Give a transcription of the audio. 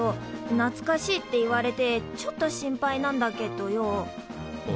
なつかしいって言われてちょっと心配なんだけっどよお。